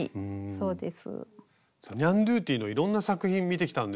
そうです。